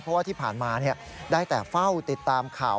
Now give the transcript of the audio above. เพราะว่าที่ผ่านมาได้แต่เฝ้าติดตามข่าว